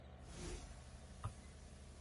牧童遙指杏花村